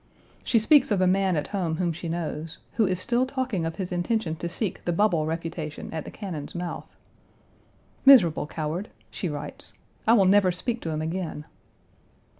She speaks of a man at home whom she knows, "who is still talking of his intention to seek the bubble reputation at the cannon's mouth." "Miserable coward!" she writes, "I will never speak to him again."